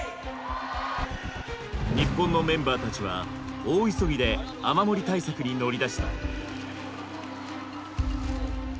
日本のメンバーたちは大急ぎで雨漏り対策に乗り出した。